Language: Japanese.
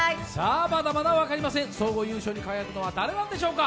まだまだ分かりません、総合優勝に輝くのは誰なんでしょうか。